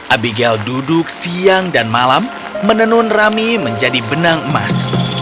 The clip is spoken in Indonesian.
abigail duduk siang dan malam menenun rami menjadi benang emas